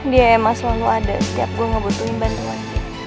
dia emas selalu ada setiap gue ngebutuhin bantuan